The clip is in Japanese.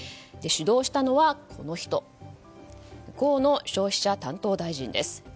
主導したのはこの人河野消費者担当大臣です。